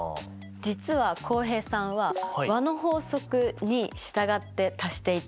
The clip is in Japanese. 実は浩平さんは和の法則に従って足していたんです。